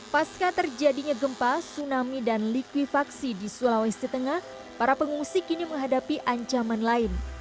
pasca terjadinya gempa tsunami dan likuifaksi di sulawesi tengah para pengungsi kini menghadapi ancaman lain